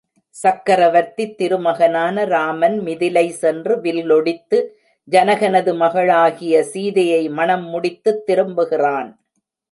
சக்கரவர்த்தித் திருமகனான ராமன் மிதிலை சென்று வில்லொடித்து ஜனகனது மகளாகிய சீதையை மணம் முடித்துத் திரும்புகிறான்.